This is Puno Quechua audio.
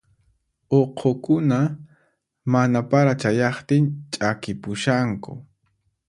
Uqhukuna mana para chayaqtin ch'akipushanku.